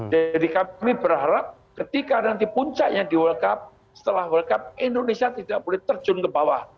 jadi kami berharap ketika nanti puncaknya di world cup setelah world cup indonesia tidak boleh terjun ke bawah